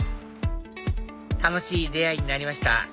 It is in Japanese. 楽しい出会いになりました